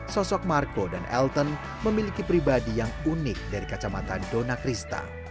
sosok marco dan elton memiliki pribadi yang unik dari kacamata dona krista